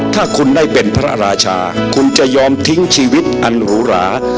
ถ้าคุณได้เป็นพระราชาคุณจะยอมทิ้งชีวิตอันหรูหรา